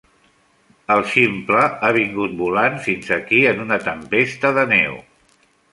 El ximple ha vingut volant fins aquí en una tempesta de neu.